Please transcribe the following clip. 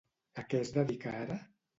A què es dedica ara?